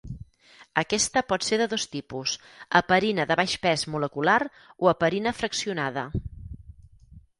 Aquesta pot ser de dos tipus: heparina de baix pes molecular o heparina fraccionada.